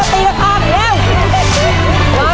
จริงนะ